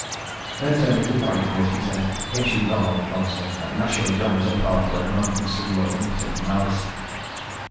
Then turning to Whitebeard, he said, "Get you gone, old monster, and gnash your gums apart where none can see your impotent malice."